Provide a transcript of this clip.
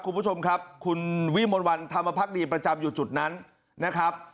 คุณผู้ชมครับคุณวิมลวันธรรมพักดีประจำอยู่จุดนั้นนะครับ